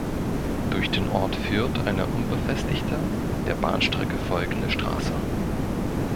Durch den Ort führt die unbefestigte, der Bahnstrecke folgende Straße.